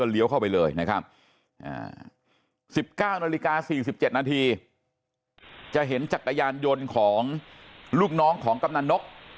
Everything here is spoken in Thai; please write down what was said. เข้าไปเลยนะครับ๑๙นาฬิกา๔๗นาทีจะเห็นจักรยานยนต์ของลูกน้องของกำนันนก